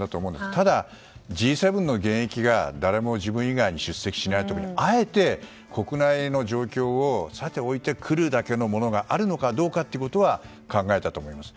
ただ、Ｇ７の現役が誰も自分以外に出席しないという時にあえて国内の状況をさて置いて来るだけのものがあるのかどうかということは考えたと思います。